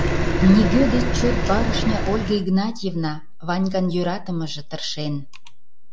Нигӧ деч чот барышня Ольга Игнатьевна, Ванькан йӧратымыже, тыршен.